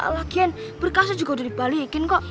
lagian berkasnya juga udah dibalikin kok